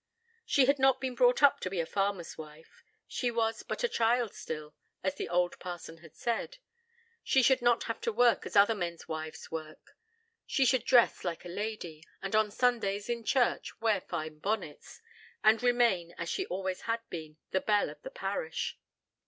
She had not been brought up to be a farmer's wife: she was but a child still, as the old parson had said. She should not have to work as other men's wives worked: she should dress like a lady, and on Sundays, in church, wear fine bonnets, and remain, as she had always been, the belle of all the parish.